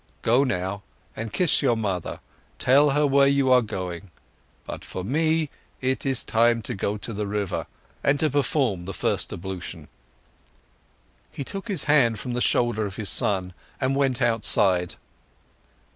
Go now and kiss your mother, tell her where you are going to. But for me it is time to go to the river and to perform the first ablution." He took his hand from the shoulder of his son and went outside.